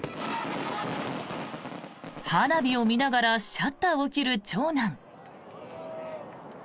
花火を見ながらシャッターを切る長男。